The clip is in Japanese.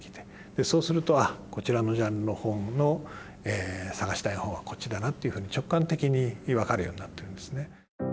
そうするとああこちらのジャンルの方の探したい本はこっちだなっていうふうに直感的にわかるようになってるんですね。